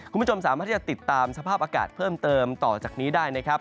คุณผู้ชมสามารถที่จะติดตามสภาพอากาศเพิ่มเติมต่อจากนี้ได้นะครับ